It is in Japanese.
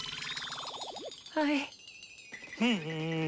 はい。